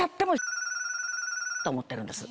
思ってるんです